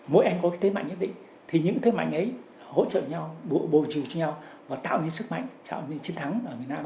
mỗi anh có cái thế mạnh nhất định thì những thế mạnh ấy hỗ trợ nhau bộ trừ treo và tạo nên sức mạnh tạo nên chiến thắng ở miền nam